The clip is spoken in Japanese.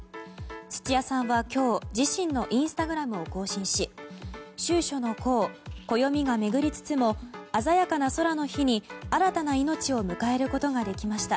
土屋さんは今日自身のインスタグラムを更新し秋暑の候、暦が巡りつつも鮮やかな空の日に新たな命を迎えることができました。